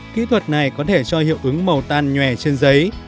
kỹ thuật này có thể cho hiệu ứng màu tan nhòe trên giấy